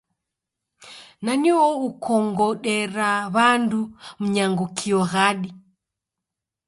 Nani uo ukongodera w'andu mnyango kio ghadi?